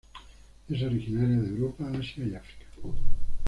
Es originaria de Europa, Asia y África.